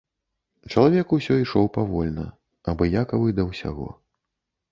Чалавек усё ішоў павольна, абыякавы да ўсяго.